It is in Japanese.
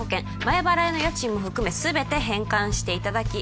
前払いの家賃も含め全て返還していただき